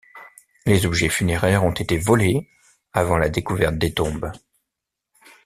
Les objets funéraires ont été volés avant la découverte des tombes.